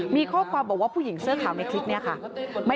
มีข้อความบอกว่าผู้หญิงเสื้อขาวในคลิปนี้ค่ะ